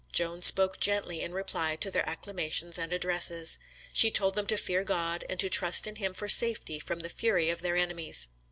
Joan spoke gently in reply to their acclamations and addresses. She told them to fear God, and trust in Him for safety from the fury of their enemies.